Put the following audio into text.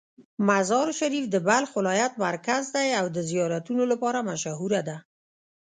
مزار شریف د بلخ ولایت مرکز دی او د زیارتونو لپاره مشهوره ده.